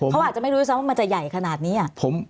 เขาอาจจะไม่รู้ซะว่ามันจะใหญ่ขนาดนี้